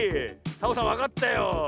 サボさんわかったよ。